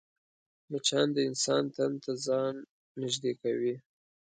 مچان د انسان تن ته ځان نږدې کوي